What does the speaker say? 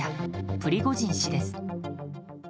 プリゴジン氏です。